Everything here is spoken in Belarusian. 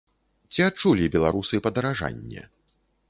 Ці адчулі беларусы падаражанне?